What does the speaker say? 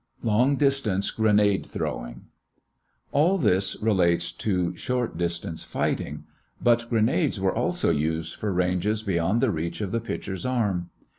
LONG DISTANCE GRENADE THROWING All this relates to short distance fighting, but grenades were also used for ranges beyond the reach of the pitcher's arm.